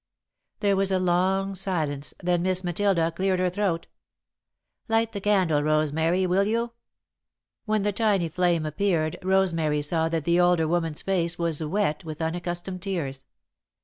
There was a long silence, then Miss Matilda cleared her throat. "Light the candle, Rosemary, will you?" When the tiny flame appeared, Rosemary saw that the older woman's face was wet with unaccustomed tears.